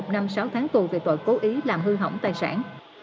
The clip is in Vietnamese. một năm sáu tháng tù về tội cố ý làm hư hỏng tài sản